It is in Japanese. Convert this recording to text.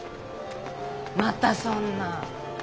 またそんな。